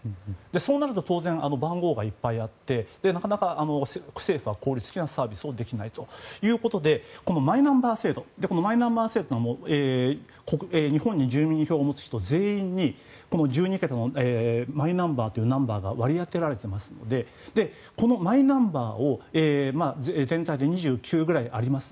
そうなると当然、番号がいっぱいあってなかなか政府が効率的なサービスができないということでマイナンバー制度は日本に住民票を持つ人全員に１２桁のマイナンバーが割り当てられているのでこのマイナンバーを２９ぐらいあります